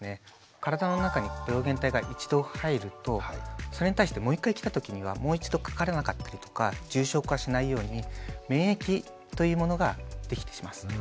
体の中に病原体が一度入るとそれに対してもう一回来た時にはもう一度かからなかったりとか重症化しないように「免疫」というものができてきます。